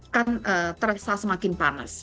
kan terasa semakin panas